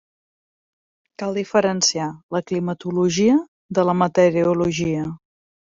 Cal diferenciar la climatologia de la meteorologia.